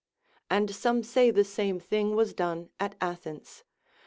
And some say the same thing was done at Athens.